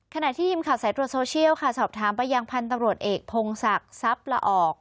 ขณะที่ทีมข่าวสายตรวจโซเชียลค่ะสอบถามไปยังพันธุ์ตำรวจเอกพงศักดิ์ทรัพย์ละออก